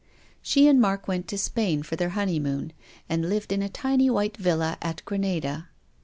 She and Mark went to Spain for their honey moon, and lived in a tiny white villa at Granada.